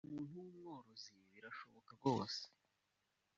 Ati “Ku muntu w’umworozi birashoboka rwose